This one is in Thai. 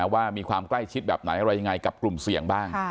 ว่ามีความใกล้ชิดแบบไหนอะไรยังไงกับกลุ่มเสี่ยงบ้าง